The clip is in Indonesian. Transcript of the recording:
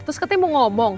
terus katanya mau ngomong